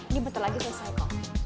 ini betul lagi selesai kok